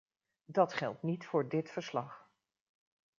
Dat geldt niet voor dit verslag.